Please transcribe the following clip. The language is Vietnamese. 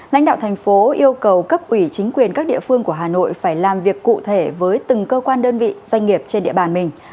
lãnh đạo thành phố yêu cầu cấp ủy chính quyền các địa phương của hà nội phải làm việc cụ thể với từng cơ quan đơn vị doanh nghiệp trên địa bàn mình